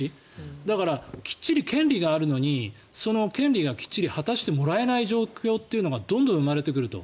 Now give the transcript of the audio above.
だからきっちり権利があるのにその権利がきっちり果たしてもらえない状況というのがどんどん生まれてくると。